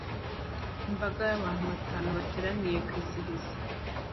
Imbaga y'abantu batanu bateranira kwizihiza